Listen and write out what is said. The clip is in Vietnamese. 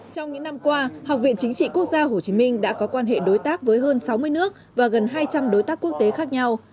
trong những năm qua học viện chính trị quốc gia hồ chí minh đã có quan hệ đối tác với hơn sáu mươi nước và gần hai trăm linh đối tác quốc tế khác nhau